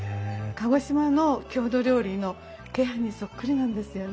鹿児島の郷土料理の鶏飯にそっくりなんですよ。